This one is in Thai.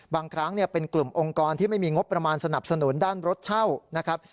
บางครั้งเป็นกลุ่มองค์กรที่ไม่มีงบประมาณสนับสนุนด้านรถเช่านะครับ